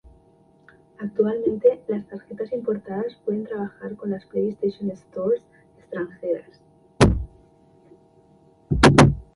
Actualmente las tarjetas importadas pueden trabajar con las Playstation Stores extranjeras.